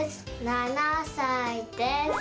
７さいです。